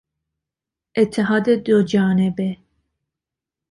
اتحاد دو جانبه